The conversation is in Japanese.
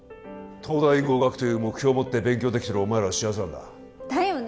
東大合格という目標を持って勉強できてるお前らは幸せなんだだよね